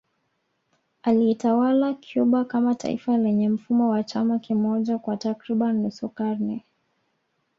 Aliitawala Cuba kama taifa lenye mfumo wa chama kimoja kwa takriban nusu karne